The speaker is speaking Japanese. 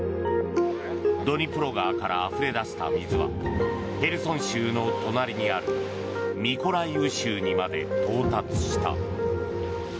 ドニプロ川からあふれ出した水はヘルソン州の隣にあるミコライウ州にまで到達した。